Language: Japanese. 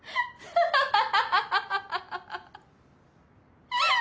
ハハハハ！